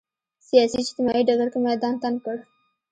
سیاسي اجتماعي ډګر کې میدان تنګ کړ